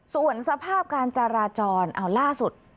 ส่วนสภาพการจราจรเอาล่าสุด